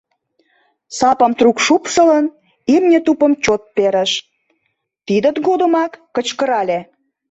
Сапым трук шупшылын, имне тупым чот перыш. тидын годымак кычкырале: